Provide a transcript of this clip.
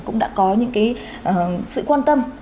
cũng đã có những cái sự quan tâm